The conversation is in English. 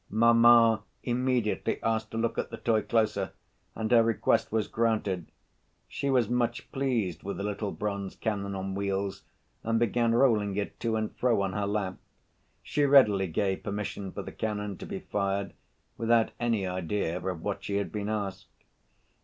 "Mamma" immediately asked to look at the toy closer and her request was granted. She was much pleased with the little bronze cannon on wheels and began rolling it to and fro on her lap. She readily gave permission for the cannon to be fired, without any idea of what she had been asked.